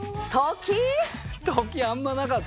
「時」あんまなかった？